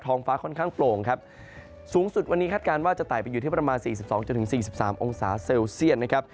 ฟ้าค่อนข้างโปร่งครับสูงสุดวันนี้คาดการณ์ว่าจะไต่ไปอยู่ที่ประมาณ๔๒๔๓องศาเซลเซียตนะครับ